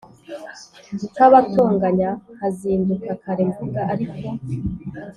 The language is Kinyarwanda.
Nkabatonganya nkazinduka kare mvuga ariko